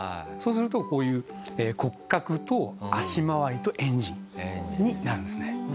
そうするとこういう骨格と足回りとエンジンになるんですね。